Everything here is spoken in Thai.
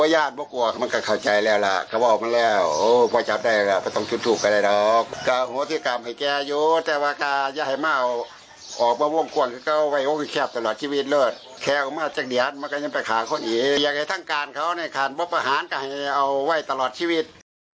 อย่างไงทั้งการเขามบอาหารก็ให้เอาไว้ตลอดชีวิต